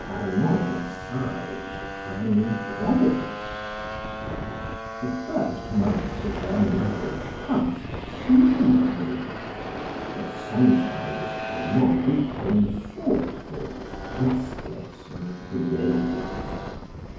Armand sighed, and promised. The first months of their marriage passed smoothly, but sometimes Armand became thoughtful, restless, and grave.